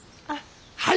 はい！